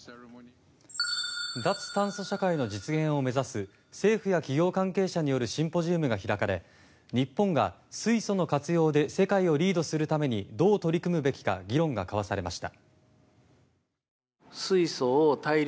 脱炭素社会の実現を目指す政府や企業関係者によるシンポジウムが開かれ日本が水素の活用で世界をリードするためにどう取り組むべきか議論が交わされました。